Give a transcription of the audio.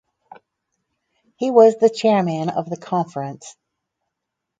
He was the chairman of the conference.